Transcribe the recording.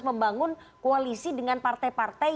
membangun koalisi dengan partai partai